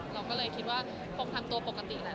ก็ขอให้ทุกอย่างชัดเจนกว่าที่เคย